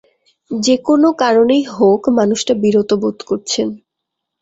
যে-কোনো কারণেই হোক মানুষটা বিরত বোধ করছেন।